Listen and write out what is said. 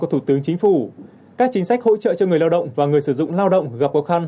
thủ tướng chính phủ các chính sách hỗ trợ cho người lao động và người sử dụng lao động gặp khó khăn